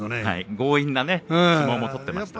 強引な相撲を取っていました。